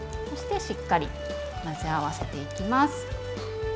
そしてしっかり混ぜ合わせていきます。